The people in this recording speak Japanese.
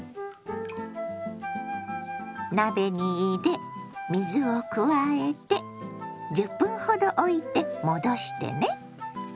鍋に入れ水を加えて１０分ほどおいて戻してね。